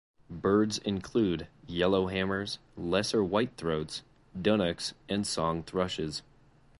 Birds include yellowhammers, lesser whitethroats, dunnocks and song thrushes.